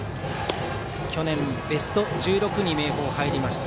去年ベスト１６に明豊は入りました。